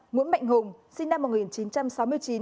năm nguyễn mạnh hùng sinh năm một nghìn chín trăm sáu mươi sáu